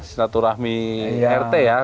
silaturahmi rt ya